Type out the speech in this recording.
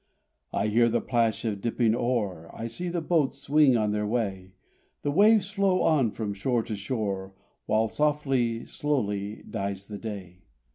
I hear the plash of dipping oar, I see the boats swing on their way; The waves flow on from shore to shore, While softly, slowly dies the day.